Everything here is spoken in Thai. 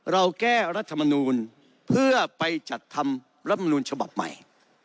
เราแก้รัฐมนูลเพื่อไปจัดทำรัฐมนูลฉบับใหม่